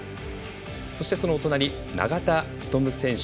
そして、そのお隣、永田務選手